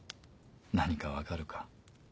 何か分かるか？